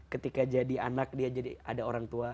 ketika jadi anak dia jadi ada orang tua